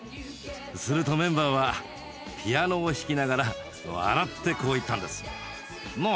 するとメンバーはピアノを弾きながら笑ってこう言ったんです。